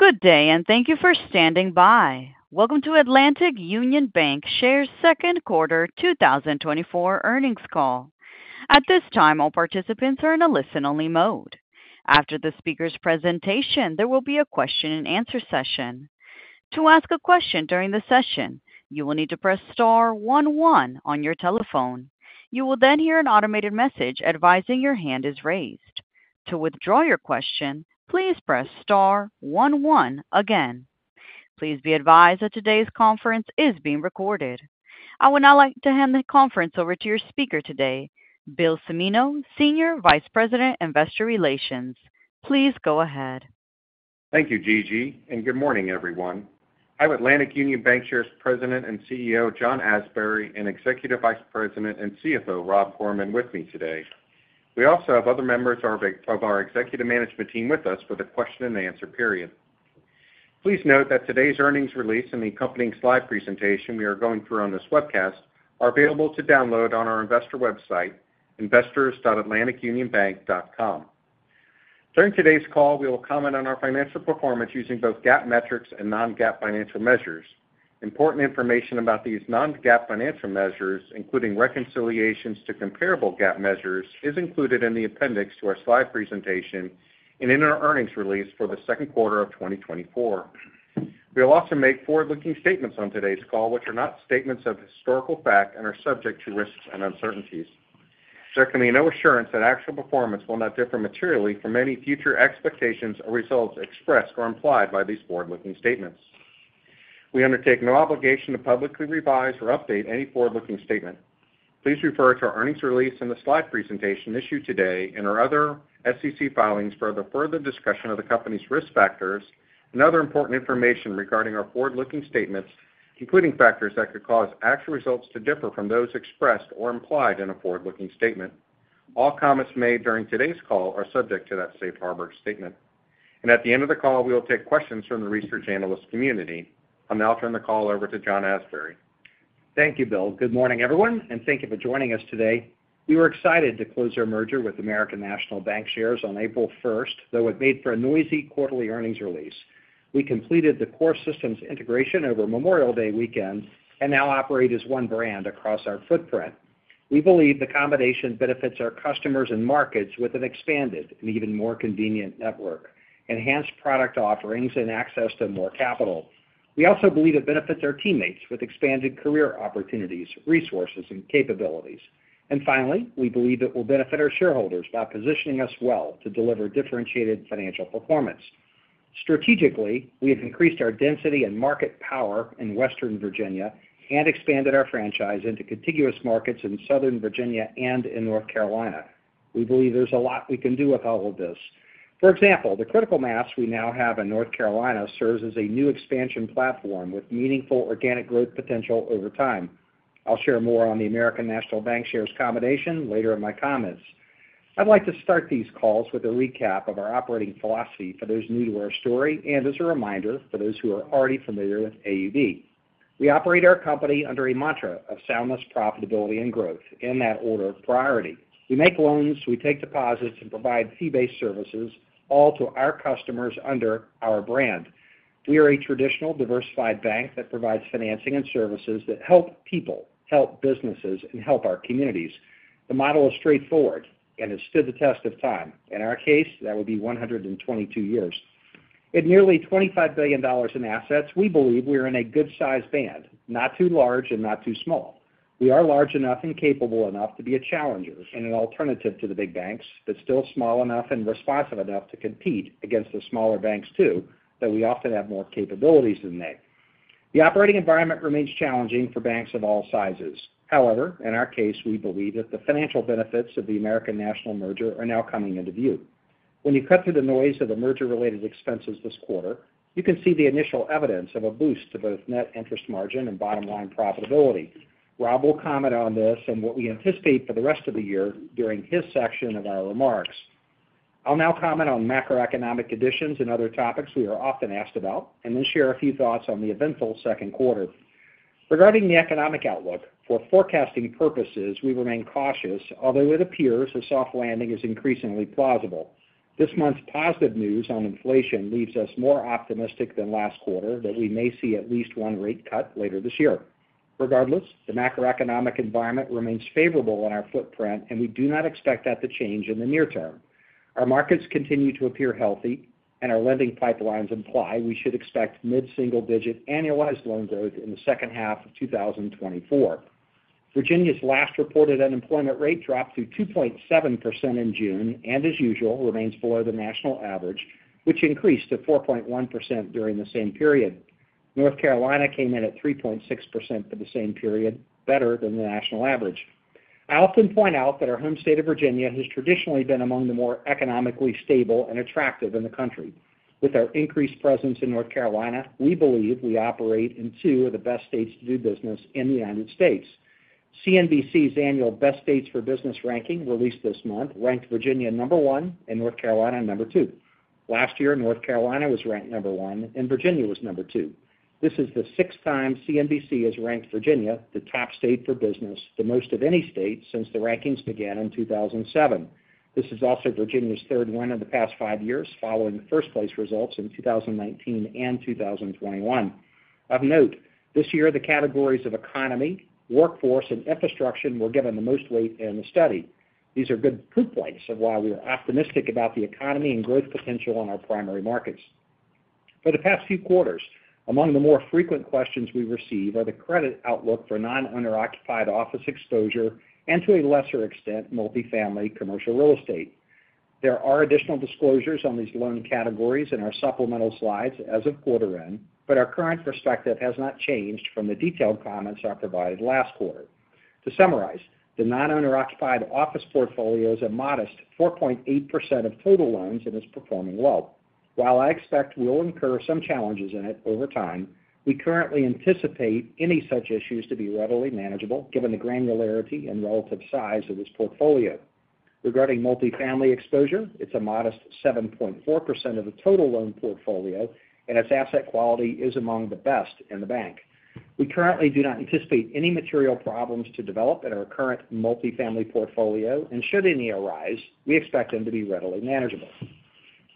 Good day, and thank you for standing by. Welcome to Atlantic Union Bankshares' second quarter 2024 earnings call. At this time, all participants are in a listen-only mode. After the speaker's presentation, there will be a question-and-answer session. To ask a question during the session, you will need to press star one one on your telephone. You will then hear an automated message advising your hand is raised. To withdraw your question, please press star one one again. Please be advised that today's conference is being recorded. I would now like to hand the conference over to your speaker today, Bill Cimino, Senior Vice President, Investor Relations. Please go ahead. Thank you, Gigi, and good morning, everyone. I have Atlantic Union Bankshares President and CEO John Asbury, and Executive Vice President and CFO Rob Gorman with me today. We also have other members of our executive management team with us for the question-and-answer period. Please note that today's earnings release and the accompanying slide presentation we are going through on this webcast are available to download on our investor website, investors.atlanticunionbank.com. During today's call, we will comment on our financial performance using both GAAP metrics and non-GAAP financial measures. Important information about these non-GAAP financial measures, including reconciliations to comparable GAAP measures, is included in the appendix to our slide presentation and in our earnings release for the second quarter of 2024. We will also make forward-looking statements on today's call, which are not statements of historical fact and are subject to risks and uncertainties. There can be no assurance that actual performance will not differ materially from any future expectations or results expressed or implied by these forward-looking statements. We undertake no obligation to publicly revise or update any forward-looking statement. Please refer to our earnings release and the slide presentation issued today and our other SEC filings for the further discussion of the company's risk factors and other important information regarding our forward-looking statements, including factors that could cause actual results to differ from those expressed or implied in a forward-looking statement. All comments made during today's call are subject to that Safe Harbor statement. At the end of the call, we will take questions from the research analyst community. I'll now turn the call over to John Asbury. Thank you, Bill. Good morning, everyone, and thank you for joining us today. We were excited to close our merger with American National Bankshares on April 1st, though it made for a noisy quarterly earnings release. We completed the core systems integration over Memorial Day weekend and now operate as one brand across our footprint. We believe the combination benefits our customers and markets with an expanded and even more convenient network, enhanced product offerings, and access to more capital. We also believe it benefits our teammates with expanded career opportunities, resources, and capabilities. And finally, we believe it will benefit our shareholders by positioning us well to deliver differentiated financial performance. Strategically, we have increased our density and market power in Western Virginia and expanded our franchise into contiguous markets in Southern Virginia and in North Carolina. We believe there's a lot we can do with all of this. For example, the critical mass we now have in North Carolina serves as a new expansion platform with meaningful organic growth potential over time. I'll share more on the American National Bankshares combination later in my comments. I'd like to start these calls with a recap of our operating philosophy for those new to our story and as a reminder for those who are already familiar with AUB. We operate our company under a mantra of soundness, profitability, and growth in that order of priority. We make loans, we take deposits, and provide fee-based services, all to our customers under our brand. We are a traditional, diversified bank that provides financing and services that help people, help businesses, and help our communities. The model is straightforward and has stood the test of time. In our case, that would be 122 years. At nearly $25 billion in assets, we believe we are in a good-sized band, not too large and not too small. We are large enough and capable enough to be a challenger and an alternative to the big banks, but still small enough and responsive enough to compete against the smaller banks too, though we often have more capabilities than they. The operating environment remains challenging for banks of all sizes. However, in our case, we believe that the financial benefits of the American National merger are now coming into view. When you cut through the noise of the merger-related expenses this quarter, you can see the initial evidence of a boost to both net interest margin and bottom-line profitability. Rob will comment on this and what we anticipate for the rest of the year during his section of our remarks. I'll now comment on macroeconomic conditions and other topics we are often asked about and then share a few thoughts on the eventful second quarter. Regarding the economic outlook, for forecasting purposes, we remain cautious, although it appears a soft landing is increasingly plausible. This month's positive news on inflation leaves us more optimistic than last quarter that we may see at least one rate cut later this year. Regardless, the macroeconomic environment remains favorable on our footprint, and we do not expect that to change in the near term. Our markets continue to appear healthy, and our lending pipelines imply we should expect mid-single-digit annualized loan growth in the second half of 2024. Virginia's last reported unemployment rate dropped to 2.7% in June and, as usual, remains below the national average, which increased to 4.1% during the same period. North Carolina came in at 3.6% for the same period, better than the national average. I often point out that our home state of Virginia has traditionally been among the more economically stable and attractive in the country. With our increased presence in North Carolina, we believe we operate in two of the best states to do business in the United States. CNBC's annual Best States for Business ranking released this month ranked Virginia number one and North Carolina number two. Last year, North Carolina was ranked number one, and Virginia was number two. This is the sixth time CNBC has ranked Virginia the top state for business, the most of any state since the rankings began in 2007. This is also Virginia's third win in the past five years following first-place results in 2019 and 2021. Of note, this year, the categories of economy, workforce, and infrastructure were given the most weight in the study. These are good proof points of why we are optimistic about the economy and growth potential on our primary markets. For the past few quarters, among the more frequent questions we receive are the credit outlook for non-owner-occupied office exposure and, to a lesser extent, multifamily commercial real estate. There are additional disclosures on these loan categories in our supplemental slides as of quarter end, but our current perspective has not changed from the detailed comments I provided last quarter. To summarize, the non-owner-occupied office portfolio is a modest 4.8% of total loans and is performing well. While I expect we'll incur some challenges in it over time, we currently anticipate any such issues to be readily manageable given the granularity and relative size of this portfolio. Regarding multifamily exposure, it's a modest 7.4% of the total loan portfolio, and its asset quality is among the best in the bank. We currently do not anticipate any material problems to develop in our current multifamily portfolio, and should any arise, we expect them to be readily manageable.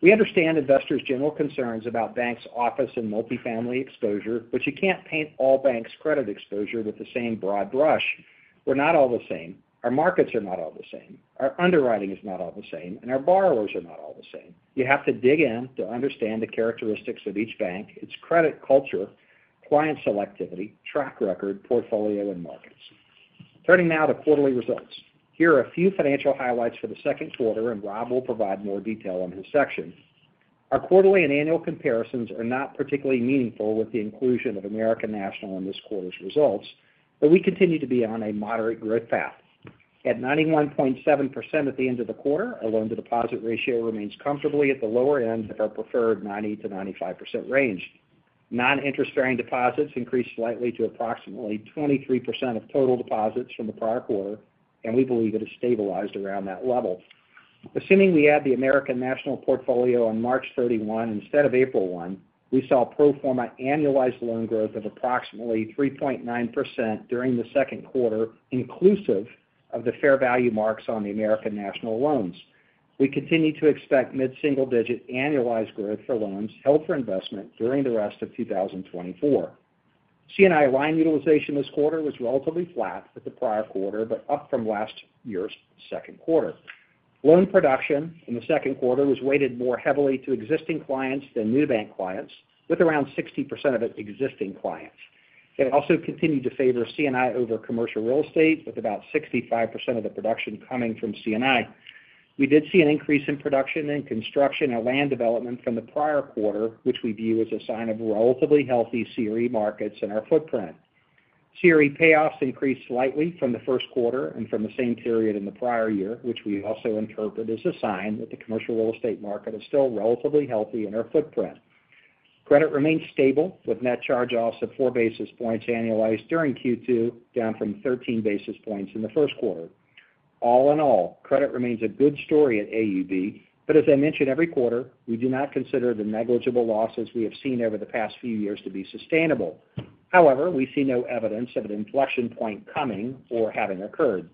We understand investors' general concerns about banks' office and multifamily exposure, but you can't paint all banks' credit exposure with the same broad brush. We're not all the same. Our markets are not all the same. Our underwriting is not all the same, and our borrowers are not all the same. You have to dig in to understand the characteristics of each bank, its credit culture, client selectivity, track record, portfolio, and markets. Turning now to quarterly results, here are a few financial highlights for the second quarter, and Rob will provide more detail on his section. Our quarterly and annual comparisons are not particularly meaningful with the inclusion of American National in this quarter's results, but we continue to be on a moderate growth path. At 91.7% at the end of the quarter, our loan-to-deposit ratio remains comfortably at the lower end of our preferred 90%-95% range. Non-interest-bearing deposits increased slightly to approximately 23% of total deposits from the prior quarter, and we believe it has stabilized around that level. Assuming we add the American National portfolio on March 31 instead of April 1, we saw pro forma annualized loan growth of approximately 3.9% during the second quarter, inclusive of the fair value marks on the American National loans. We continue to expect mid-single-digit annualized growth for loans held for investment during the rest of 2024. C&I line utilization this quarter was relatively flat with the prior quarter, but up from last year's second quarter. Loan production in the second quarter was weighted more heavily to existing clients than new bank clients, with around 60% of it existing clients. It also continued to favor C&I over commercial real estate, with about 65% of the production coming from C&I. We did see an increase in production and construction and land development from the prior quarter, which we view as a sign of relatively healthy CRE markets in our footprint. CRE payoffs increased slightly from the first quarter and from the same period in the prior year, which we also interpret as a sign that the commercial real estate market is still relatively healthy in our footprint. Credit remains stable with net charge-offs of 4 basis points annualized during Q2, down from 13 basis points in the first quarter. All in all, credit remains a good story at AUB, but as I mentioned every quarter, we do not consider the negligible losses we have seen over the past few years to be sustainable. However, we see no evidence of an inflection point coming or having occurred.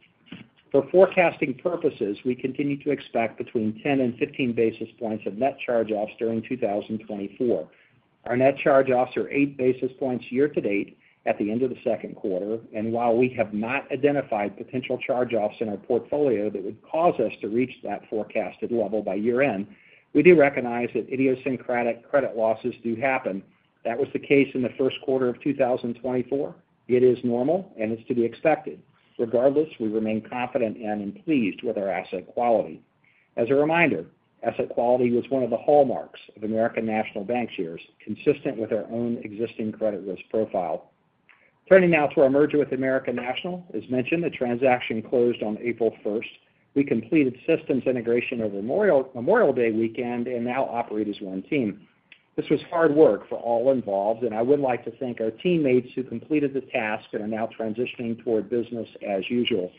For forecasting purposes, we continue to expect between 10 and 15 basis points of net charge-offs during 2024. Our net charge-offs are 8 basis points year to date at the end of the second quarter, and while we have not identified potential charge-offs in our portfolio that would cause us to reach that forecasted level by year-end, we do recognize that idiosyncratic credit losses do happen. That was the case in the first quarter of 2024. It is normal, and it's to be expected. Regardless, we remain confident and pleased with our asset quality. As a reminder, asset quality was one of the hallmarks of American National Bankshares, consistent with our own existing credit risk profile. Turning now to our merger with American National, as mentioned, the transaction closed on April 1st. We completed systems integration over Memorial Day weekend and now operate as one team. This was hard work for all involved, and I would like to thank our teammates who completed the task and are now transitioning toward business as usual.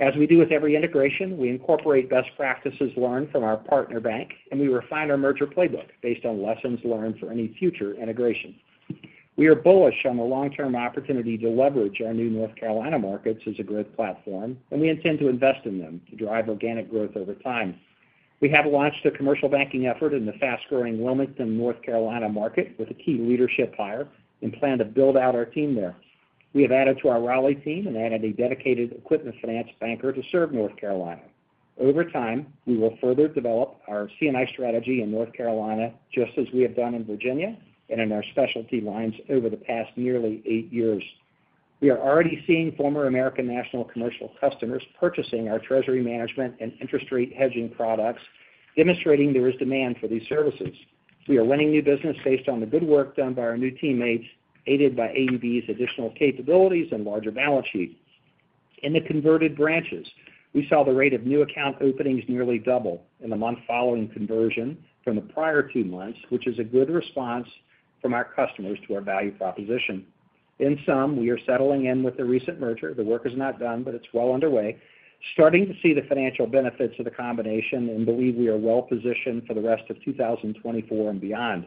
As we do with every integration, we incorporate best practices learned from our partner bank, and we refine our merger playbook based on lessons learned for any future integration. We are bullish on the long-term opportunity to leverage our new North Carolina markets as a growth platform, and we intend to invest in them to drive organic growth over time. We have launched a commercial banking effort in the fast-growing Wilmington, North Carolina market with a key leadership hire and plan to build out our team there. We have added to our Raleigh team and added a dedicated equipment finance banker to serve North Carolina. Over time, we will further develop our C&I strategy in North Carolina, just as we have done in Virginia and in our specialty lines over the past nearly eight years. We are already seeing former American National commercial customers purchasing our treasury management and interest rate hedging products, demonstrating there is demand for these services. We are winning new business based on the good work done by our new teammates, aided by AUB's additional capabilities and larger balance sheet. In the converted branches, we saw the rate of new account openings nearly double in the month following conversion from the prior two months, which is a good response from our customers to our value proposition. In sum, we are settling in with the recent merger. The work is not done, but it's well underway. Starting to see the financial benefits of the combination and believe we are well positioned for the rest of 2024 and beyond.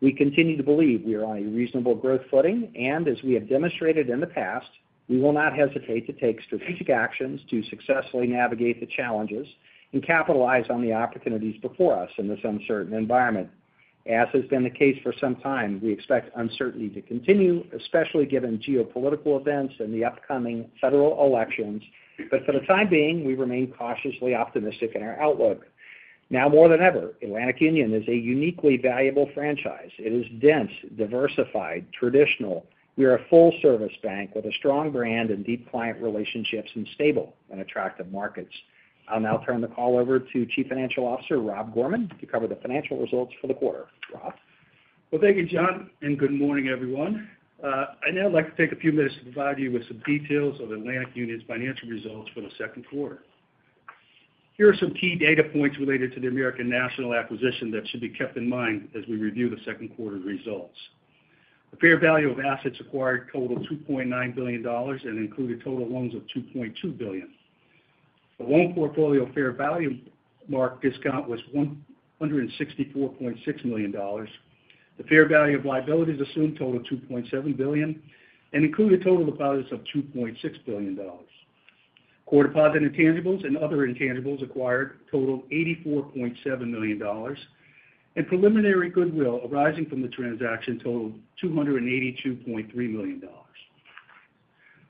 We continue to believe we are on a reasonable growth footing, and as we have demonstrated in the past, we will not hesitate to take strategic actions to successfully navigate the challenges and capitalize on the opportunities before us in this uncertain environment. As has been the case for some time, we expect uncertainty to continue, especially given geopolitical events and the upcoming federal elections, but for the time being, we remain cautiously optimistic in our outlook. Now more than ever, Atlantic Union is a uniquely valuable franchise. It is dense, diversified, traditional. We are a full-service bank with a strong brand and deep client relationships and stable and attractive markets. I'll now turn the call over to Chief Financial Officer Rob Gorman to cover the financial results for the quarter. Rob. Well, thank you, John, and good morning, everyone. I'd now like to take a few minutes to provide you with some details of Atlantic Union's financial results for the second quarter. Here are some key data points related to the American National acquisition that should be kept in mind as we review the second quarter results. The fair value of assets acquired totaled $2.9 billion and included total loans of $2.2 billion. The loan portfolio fair value mark discount was $164.6 million. The fair value of liabilities assumed totaled $2.7 billion and included total deposits of $2.6 billion. Core deposit intangibles and other intangibles acquired totaled $84.7 million, and preliminary goodwill arising from the transaction totaled $282.3 million.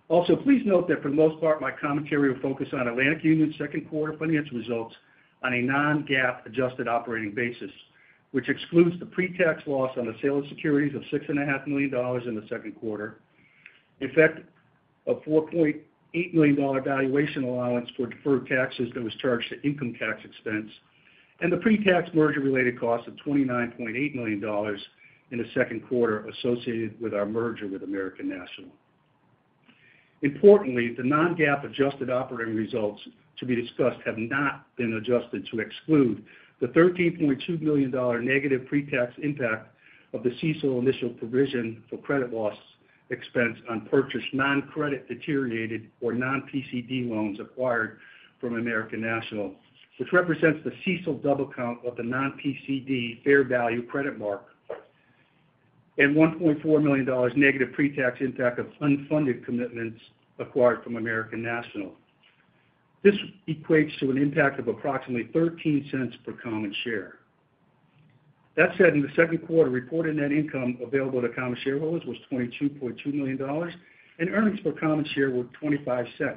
Also, please note that for the most part, my commentary will focus on Atlantic Union's second quarter financial results on a non-GAAP adjusted operating basis, which excludes the pre-tax loss on the sale of securities of $6.5 million in the second quarter, effect of $4.8 million valuation allowance for deferred taxes that was charged to income tax expense, and the pre-tax merger-related cost of $29.8 million in the second quarter associated with our merger with American National. Importantly, the non-GAAP adjusted operating results to be discussed have not been adjusted to exclude the $13.2 million negative pre-tax impact of the CESO initial provision for credit loss expense on purchased non-credit deteriorated or non-PCD loans acquired from American National, which represents the CESO double count of the non-PCD fair value credit mark and $1.4 million negative pre-tax impact of unfunded commitments acquired from American National. This equates to an impact of approximately $0.13 per common share. That said, in the second quarter, reported net income available to common shareholders was $22.2 million, and earnings per common share were $0.25.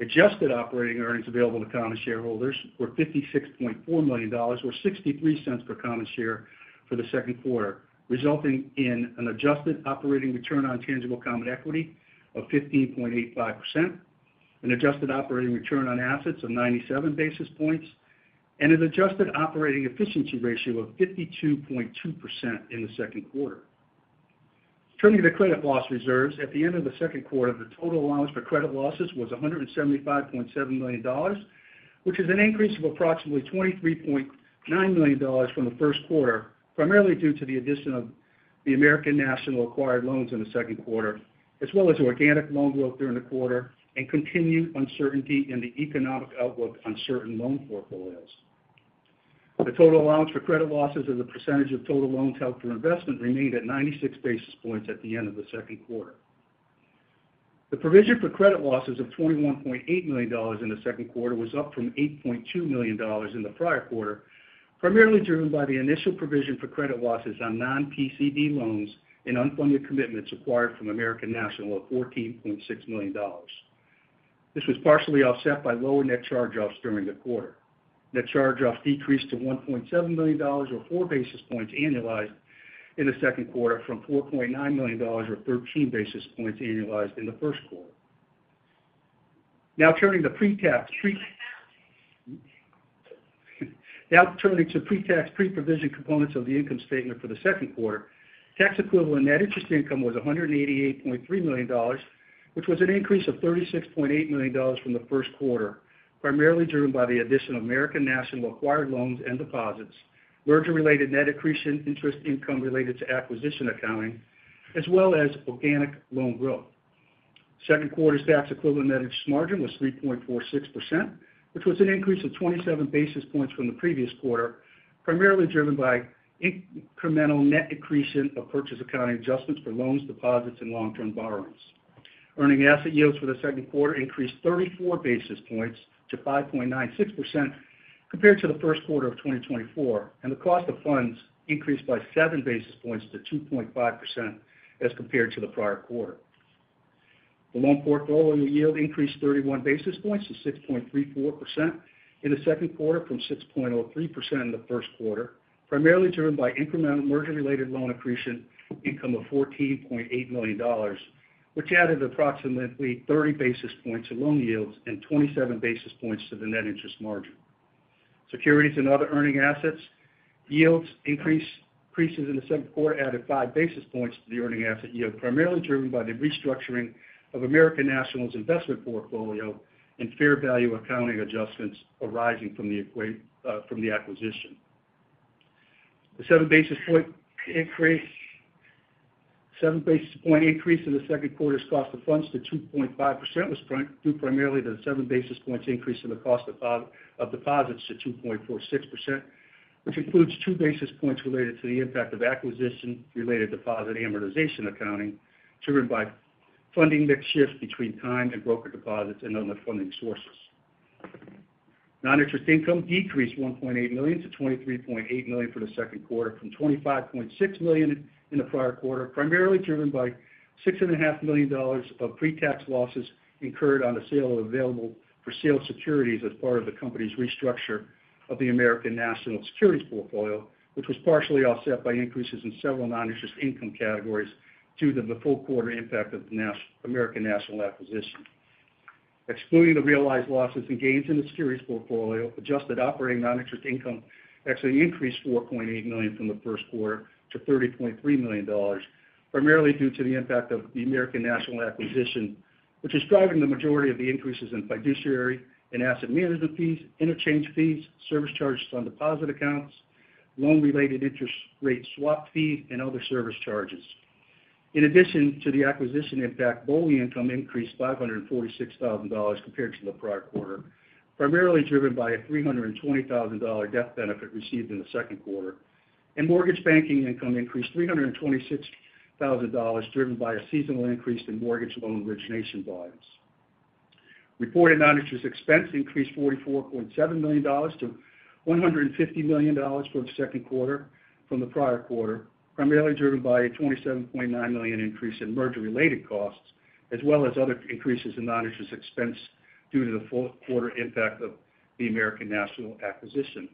Adjusted operating earnings available to common shareholders were $56.4 million, or $0.63 per common share for the second quarter, resulting in an adjusted operating return on tangible common equity of 15.85%, an adjusted operating return on assets of 97 basis points, and an adjusted operating efficiency ratio of 52.2% in the second quarter. Turning to the credit loss reserves, at the end of the second quarter, the total allowance for credit losses was $175.7 million, which is an increase of approximately $23.9 million from the first quarter, primarily due to the addition of the American National acquired loans in the second quarter, as well as organic loan growth during the quarter and continued uncertainty in the economic outlook on certain loan portfolios. The total allowance for credit losses as a percentage of total loans held for investment remained at 96 basis points at the end of the second quarter. The provision for credit losses of $21.8 million in the second quarter was up from $8.2 million in the prior quarter, primarily driven by the initial provision for credit losses on non-PCD loans and unfunded commitments acquired from American National of $14.6 million. This was partially offset by lower net charge-offs during the quarter. Net charge-offs decreased to $1.7 million, or 4 basis points annualized in the second quarter, from $4.9 million, or 13 basis points annualized in the first quarter. Now turning to pre-tax, pre-provision components of the income statement for the second quarter, tax equivalent net interest income was $188.3 million, which was an increase of $36.8 million from the first quarter, primarily driven by the addition of American National acquired loans and deposits, merger-related net accretion interest income related to acquisition accounting, as well as organic loan growth. Second quarter's tax equivalent net interest margin was 3.46%, which was an increase of 27 basis points from the previous quarter, primarily driven by incremental net accretion of purchase accounting adjustments for loans, deposits, and long-term borrowings. Earning asset yields for the second quarter increased 34 basis points to 5.96% compared to the first quarter of 2024, and the cost of funds increased by 7 basis points to 2.5% as compared to the prior quarter. The loan portfolio yield increased 31 basis points to 6.34% in the second quarter from 6.03% in the first quarter, primarily driven by incremental merger-related loan accretion income of $14.8 million, which added approximately 30 basis points to loan yields and 27 basis points to the net interest margin. Securities and other earning assets yield increases in the second quarter added 5 basis points to the earning asset yield, primarily driven by the restructuring of American National's investment portfolio and fair value accounting adjustments arising from the acquisition. The 7 basis point increase in the second quarter's cost of funds to 2.5% was due primarily to the 7 basis points increase in the cost of deposits to 2.46%, which includes 2 basis points related to the impact of acquisition-related deposit amortization accounting, driven by funding mix shift between time and brokered deposits and other funding sources. Noninterest income decreased $1.8 million-$23.8 million for the second quarter from $25.6 million in the prior quarter, primarily driven by $6.5 million of pre-tax losses incurred on the sale of available-for-sale securities as part of the company's restructure of the American National securities portfolio, which was partially offset by increases in several noninterest income categories due to the full quarter impact of American National acquisition. Excluding the realized losses and gains in the securities portfolio, adjusted operating noninterest income actually increased $4.8 million from the first quarter to $30.3 million, primarily due to the impact of the American National acquisition, which is driving the majority of the increases in fiduciary and asset management fees, interchange fees, service charges on deposit accounts, loan-related interest rate swap fees, and other service charges. In addition to the acquisition impact, BOLI income increased $546,000 compared to the prior quarter, primarily driven by a $320,000 death benefit received in the second quarter, and mortgage banking income increased $326,000 driven by a seasonal increase in mortgage loan origination volumes. Reported non-interest expense increased $44.7 million to $150 million for the second quarter from the prior quarter, primarily driven by a $27.9 million increase in merger-related costs, as well as other increases in non-interest expense due to the full quarter impact of the American National acquisition.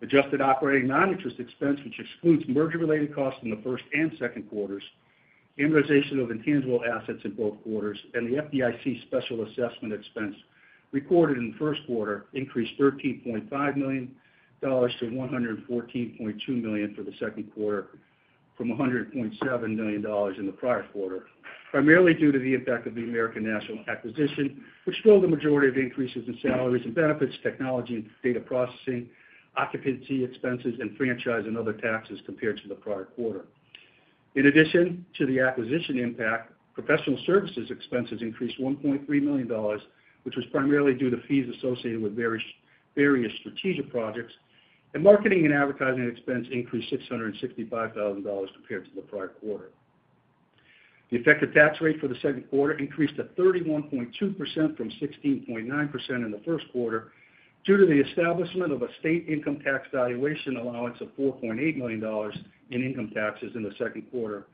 Adjusted operating non-interest expense, which excludes merger-related costs in the first and second quarters, amortization of intangible assets in both quarters, and the FDIC special assessment expense recorded in the first quarter increased $13.5 million to $114.2 million for the second quarter from $100.7 million in the prior quarter, primarily due to the impact of the American National acquisition, which drove the majority of increases in salaries and benefits, technology and data processing, occupancy expenses, and franchise and other taxes compared to the prior quarter. In addition to the acquisition impact, professional services expenses increased $1.3 million, which was primarily due to fees associated with various strategic projects, and marketing and advertising expense increased $665,000 compared to the prior quarter. The effective tax rate for the second quarter increased to 31.2% from 16.9% in the first quarter due to the establishment of a state income tax valuation allowance of $4.8 million in income taxes in the second quarter.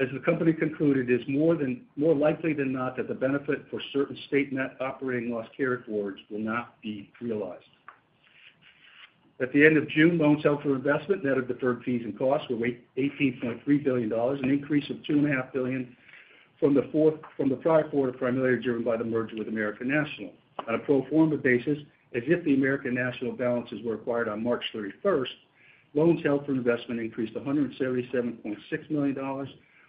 As the company concluded, it is more likely than not that the benefit for certain state net operating loss carryforwards will not be realized. At the end of June, loans held for investment, net of deferred fees and costs, were $18.3 billion, an increase of $2.5 billion from the prior quarter, primarily driven by the merger with American National. On a pro forma basis, as if the American National balances were acquired on March 31st, loans held for investment increased $177.6 million,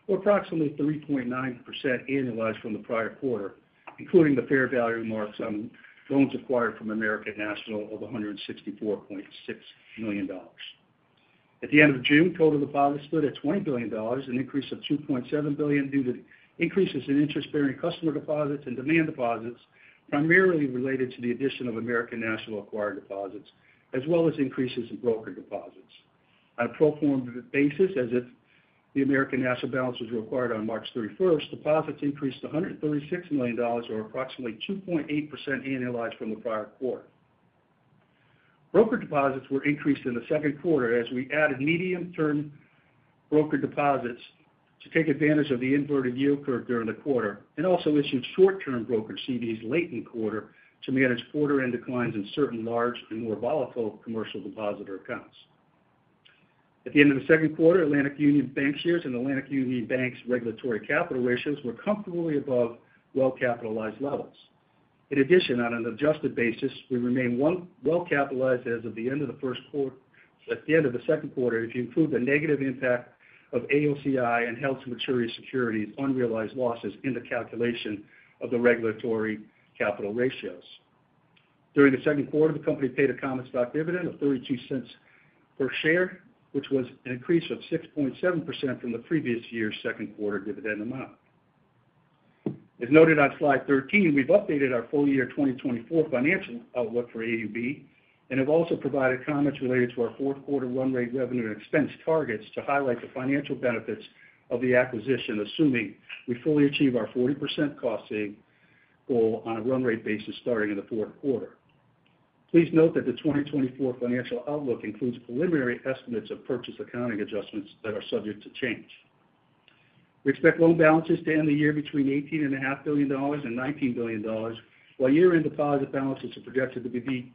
or approximately 3.9% annualized from the prior quarter, including the fair value marks on loans acquired from American National of $164.6 million. At the end of June, total deposits stood at $20 billion, an increase of $2.7 billion due to increases in interest-bearing customer deposits and demand deposits, primarily related to the addition of American National acquired deposits, as well as increases in broker deposits. On a pro forma basis, as if the American National balances were acquired on March 31st, deposits increased to $136 million, or approximately 2.8% annualized from the prior quarter. Broker deposits were increased in the second quarter as we added medium-term broker deposits to take advantage of the inverted yield curve during the quarter, and also issued short-term brokered CDs late in the quarter to manage quarter-end declines in certain large and more volatile commercial depositor accounts. At the end of the second quarter, Atlantic Union Bankshares and Atlantic Union Bank's regulatory capital ratios were comfortably above well-capitalized levels. In addition, on an adjusted basis, we remain well-capitalized as of the end of the first quarter at the end of the second quarter if you include the negative impact of AOCI and held-to-maturity securities' unrealized losses in the calculation of the regulatory capital ratios. During the second quarter, the company paid a common stock dividend of $0.32 per share, which was an increase of 6.7% from the previous year's second quarter dividend amount. As noted on slide 13, we've updated our full year 2024 financial outlook for AUB and have also provided comments related to our fourth quarter run rate revenue and expense targets to highlight the financial benefits of the acquisition, assuming we fully achieve our 40% cost saving goal on a run rate basis starting in the fourth quarter. Please note that the 2024 financial outlook includes preliminary estimates of purchase accounting adjustments that are subject to change. We expect loan balances to end the year between $18.5 billion-$19 billion, while year-end deposit balances are projected to be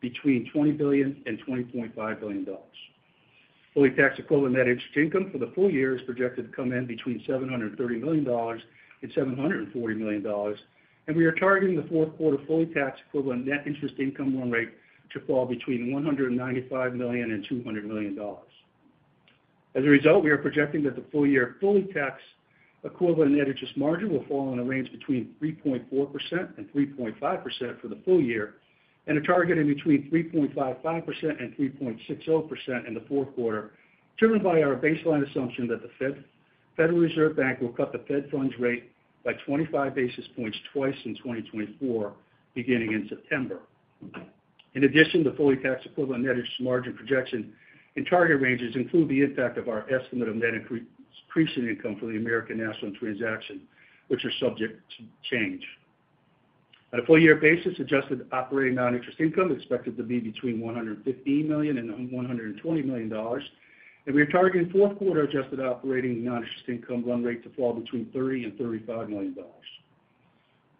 between $20 billion-$20.5 billion. Fully taxable equivalent net interest income for the full year is projected to come in between $730 million-$740 million, and we are targeting the fourth quarter fully taxable equivalent net interest income run rate to fall between $195 million-$200 million. As a result, we are projecting that the full year fully taxable equivalent net interest margin will fall in a range between 3.4%-3.5% for the full year, and a target in between 3.55%-3.60% in the fourth quarter, driven by our baseline assumption that the Federal Reserve Bank will cut the federal funds rate by 25 basis points twice in 2024, beginning in September. In addition, the fully taxable equivalent net interest margin projection and target ranges include the impact of our estimate of net accretion income for the American National transaction, which are subject to change. On a full year basis, adjusted operating non-interest income is expected to be between $115 million-$120 million, and we are targeting fourth quarter adjusted operating non-interest income run rate to fall between $30-$35 million.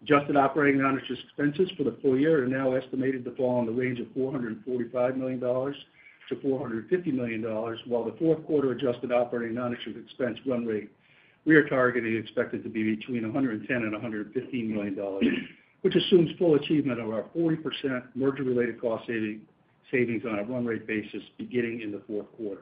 Adjusted operating non-interest expenses for the full year are now estimated to fall in the range of $445 million-$450 million, while the fourth quarter adjusted operating non-interest expense run rate we are targeting is expected to be between $110 million and $115 million, which assumes full achievement of our 40% merger-related cost savings on a run rate basis beginning in the fourth quarter.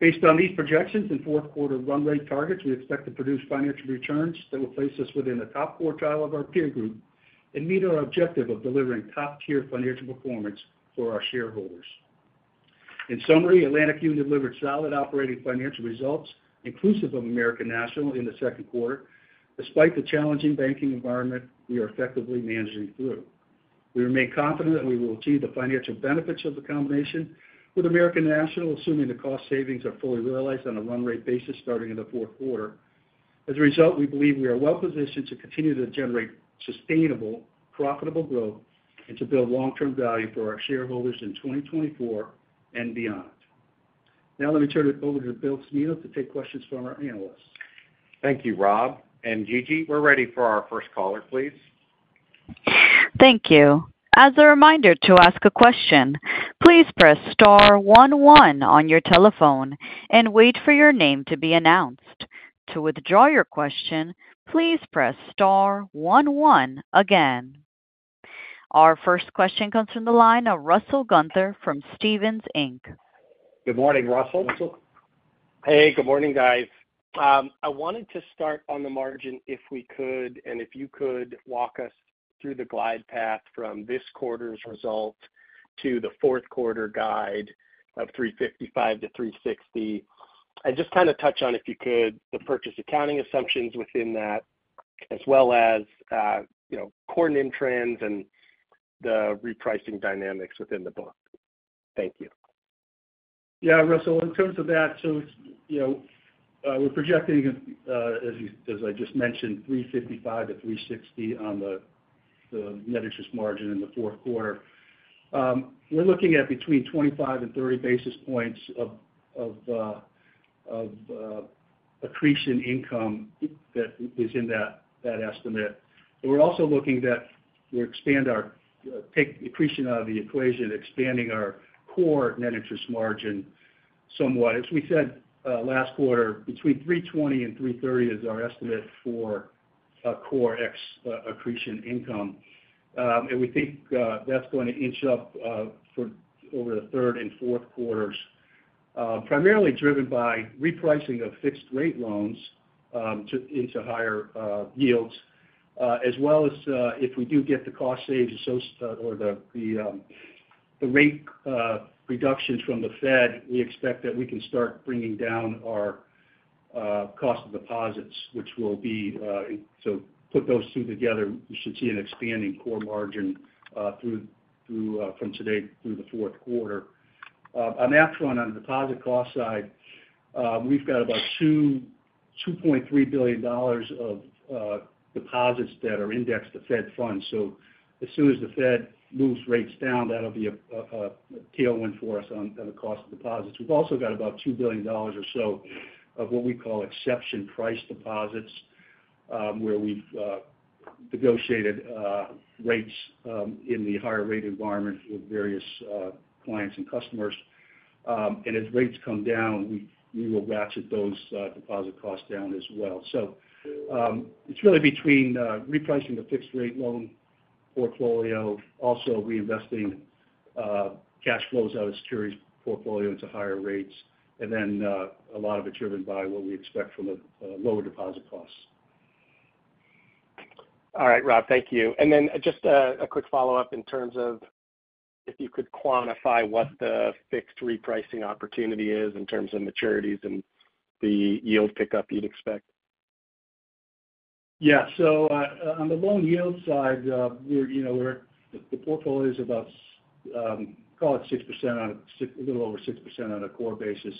Based on these projections and fourth quarter run rate targets, we expect to produce financial returns that will place us within the top quartile of our peer group and meet our objective of delivering top-tier financial performance for our shareholders. In summary, Atlantic Union delivered solid operating financial results, inclusive of American National in the second quarter. Despite the challenging banking environment, we are effectively managing through. We remain confident that we will achieve the financial benefits of the combination with American National, assuming the cost savings are fully realized on a run rate basis starting in the fourth quarter. As a result, we believe we are well-positioned to continue to generate sustainable, profitable growth and to build long-term value for our shareholders in 2024 and beyond. Now let me turn it over to Bill Cimino to take questions from our analysts. Thank you, Rob. And Gigi, we're ready for our first caller, please. Thank you. As a reminder to ask a question, please press star one one on your telephone and wait for your name to be announced. To withdraw your question, please press star one one again. Our first question comes from the line of Russell Gunther from Stephens Inc. Good morning, Russell. Hey, good morning, guys. I wanted to start on the margin if we could, and if you could, walk us through the glide path from this quarter's result to the fourth quarter guide of 355 to 360, and just kind of touch on, if you could, the purchase accounting assumptions within that, as well as core NIM trends and the repricing dynamics within the book. Thank you. Yeah, Russell, in terms of that, so we're projecting, as I just mentioned, 355 to 360 on the net interest margin in the fourth quarter. We're looking at between 25 and 30 basis points of accretion income that is in that estimate. We're also looking to expand our accretion from the acquisition, expanding our core net interest margin somewhat. As we said last quarter, between 320 and 330 is our estimate for core NIM. We think that's going to inch up over the third and fourth quarters, primarily driven by repricing of fixed-rate loans into higher yields, as well as if we do get the cost savings or the rate reductions from the Fed, we expect that we can start bringing down our cost of deposits, which will be to put those two together, you should see an expanding core margin from today through the fourth quarter. On that front, on the deposit cost side, we've got about $2.3 billion of deposits that are indexed to Fed funds. So as soon as the Fed moves rates down, that'll be a tailwind for us on the cost of deposits. We've also got about $2 billion or so of what we call exception price deposits, where we've negotiated rates in the higher-rate environment with various clients and customers. And as rates come down, we will ratchet those deposit costs down as well. So it's really between repricing the fixed-rate loan portfolio, also reinvesting cash flows out of securities portfolio into higher rates, and then a lot of it driven by what we expect from the lower deposit costs. All right, Rob, thank you. And then just a quick follow-up in terms of if you could quantify what the fixed repricing opportunity is in terms of maturities and the yield pickup you'd expect. Yeah, so on the loan yield side, the portfolio is about, call it 6%, a little over 6% on a core basis.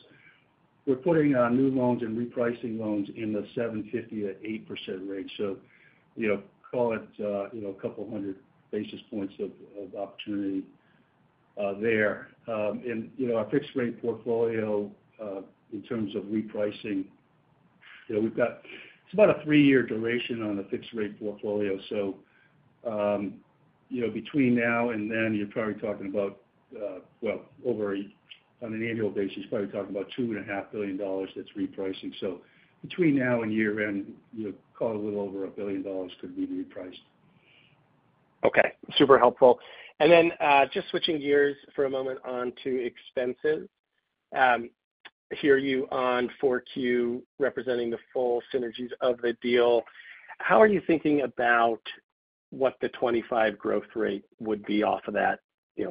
We're putting new loans and repricing loans in the 7.50%-8% range. So call it a couple hundred basis points of opportunity there. And our fixed-rate portfolio, in terms of repricing, it's about a 3-year duration on the fixed-rate portfolio. So between now and then, you're probably talking about, well, over on an annual basis, you're probably talking about $2.5 billion that's repricing. So between now and year-end, call it a little over $1 billion could be repriced. Okay, super helpful. And then just switching gears for a moment onto expenses. I hear you on 4Q representing the full synergies of the deal. How are you thinking about what the 2025 growth rate would be off of that,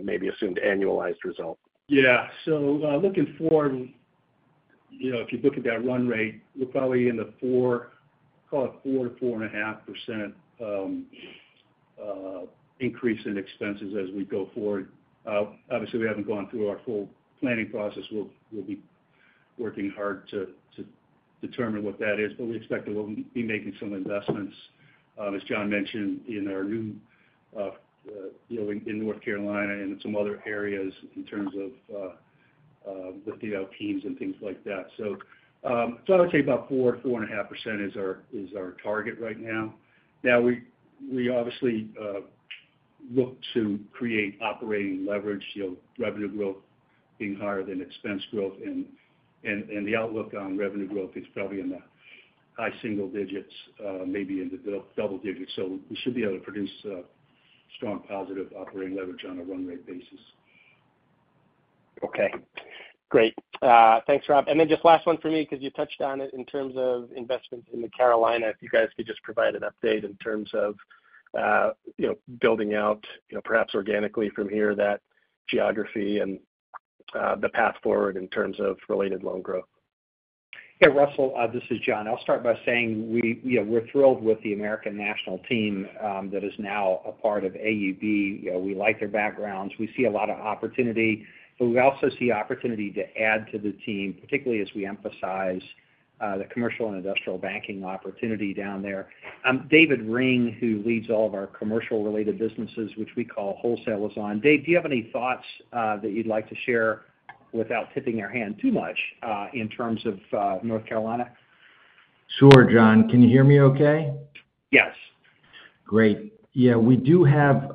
maybe assumed annualized result? Yeah, so looking forward, if you look at that run rate, we're probably in the 4%, call it 4%-4.5% increase in expenses as we go forward. Obviously, we haven't gone through our full planning process. We'll be working hard to determine what that is, but we expect that we'll be making some investments, as John mentioned, in our new deal in North Carolina and in some other areas in terms of the teams and things like that. So I would say about 4%-4.5% is our target right now. Now, we obviously look to create operating leverage, revenue growth being higher than expense growth. And the outlook on revenue growth is probably in the high single digits, maybe into double digits. So we should be able to produce strong positive operating leverage on a run rate basis. Okay, great. Thanks, Rob. And then just last one for me, because you touched on it in terms of investments in the Carolina. If you guys could just provide an update in terms of building out, perhaps organically from here, that geography and the path forward in terms of related loan growth. Yeah, Russell, this is John. I'll start by saying we're thrilled with the American National team that is now a part of AUB. We like their backgrounds. We see a lot of opportunity, but we also see opportunity to add to the team, particularly as we emphasize the commercial and industrial banking opportunity down there. David Ring, who leads all of our commercial-related businesses, which we call wholesale, on Dave, do you have any thoughts that you'd like to share without tipping your hand too much in terms of North Carolina? Sure, John. Can you hear me okay? Yes. Great. Yeah, we do have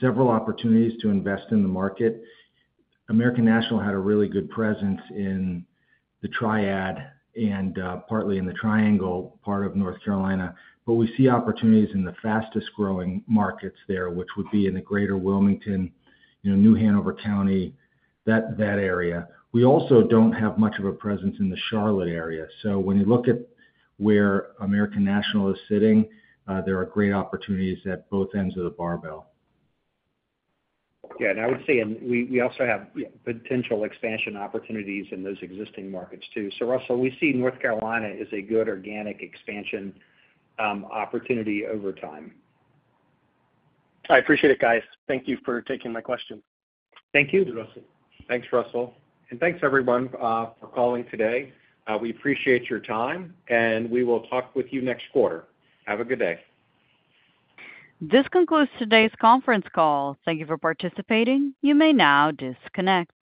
several opportunities to invest in the market. American National had a really good presence in The Triad and partly in The Triangle part of North Carolina, but we see opportunities in the fastest-growing markets there, which would be in the greater Wilmington, New Hanover County, that area. We also don't have much of a presence in the Charlotte area. So when you look at where American National is sitting, there are great opportunities at both ends of the barbell. Yeah, and I would say we also have potential expansion opportunities in those existing markets too. So, Russell, we see North Carolina as a good organic expansion opportunity over time. I appreciate it, guys. Thank you for taking my question. Thank you. Thanks, Russell. And thanks, everyone, for calling today. We appreciate your time, and we will talk with you next quarter. Have a good day. This concludes today's conference call. Thank you for participating. You may now disconnect.